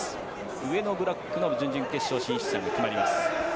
上のブロックの準々決勝も決まります。